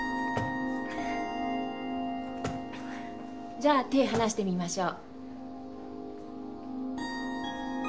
じゃあ手離してみましょう。